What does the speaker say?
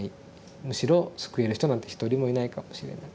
むしろ救える人なんて一人もいないかもしれない。